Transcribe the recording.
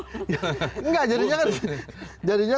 enggak jadinya kan